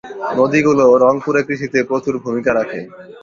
নদীগুলো রংপুরে কৃষিতে প্রচুর ভূমিকা রাখে।